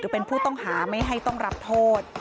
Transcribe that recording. เป็นผู้ต้องหาไม่ให้ต้องรับโทษ